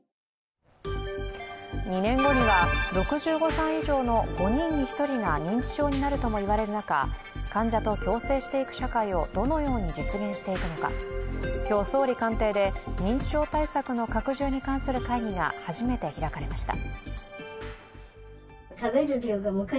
２年後には６５歳以上の５人に１人が認知症になるともいわれる中、患者と共生していく社会をどのように実現していくのか、今日、総理官邸で認知症対策の拡充に関する会議が初めて開かれました。